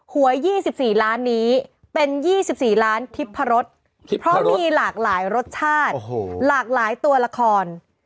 หวย๒๔ล้านนี้เป็น๒๔ล้านทิพรสเพราะมีหลากหลายรสชาติหลากหลายตัวละคร